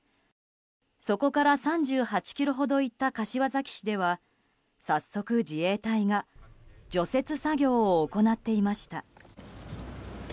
そこから３８ｋｍほど行った柏崎市では早速、自衛隊が除雪作業を行っていました。